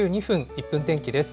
１分天気です。